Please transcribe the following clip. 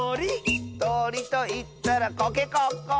「とりといったらコケコッコー！」